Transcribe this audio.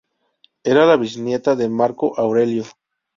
Era la bisnieta de Marco Aurelio.